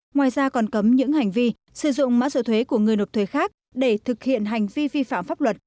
ngoài ra còn cấm những hành vi sử dụng mã sửa thuế của người nộp thuế khác để thực hiện hành vi vi phạm pháp luật